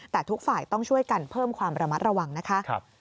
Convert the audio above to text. แต่ทุกฝ่ายต้องช่วยกันเพิ่มความระมัดระวังนะคะ